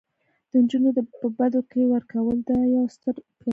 د انجونو په بدو کي ورکول دا يو ستر افغاني پيغور دي